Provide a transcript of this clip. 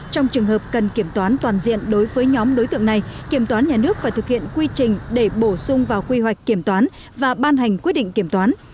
trong trường hợp cần kiểm toán toàn diện đối với nhóm đối tượng này kiểm toán nhà nước phải thực hiện quy trình để bổ sung vào quy hoạch kiểm toán và ban hành quyết định kiểm toán